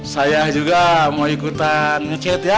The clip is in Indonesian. saya juga mau ikutan ngecet ya